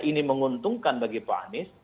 ini menguntungkan bagi pak anies